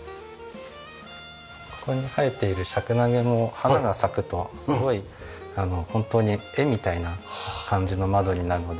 ここに生えているシャクナゲの花が咲くとすごい本当に絵みたいな感じの窓になるので。